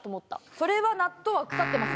それは納豆は腐ってます